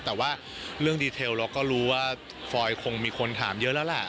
แต่ว่าเรื่องดีเทลเราก็รู้ว่าฟอยคงมีคนถามเยอะแล้วล่ะ